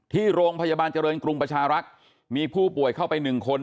ที่โรงพยาบาลเจริญกรุงประชารักษ์มีผู้ป่วยเข้าไป๑คน